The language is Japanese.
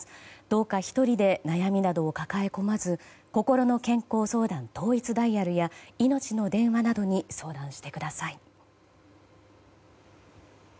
どうか１人で悩みなどを抱え込まずこころの健康相談統一ダイヤルやいのちの電話などに相談してください。